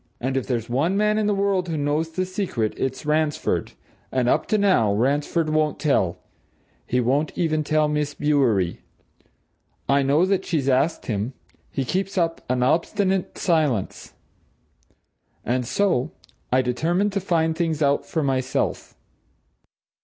And if there's one man in the world who knows the secret, it's Ransford. And, up to now, Ransford won't tell he won't even tell Miss Bewery. I know that she's asked him he keeps up an obstinate silence. And so I determined to find things out for myself."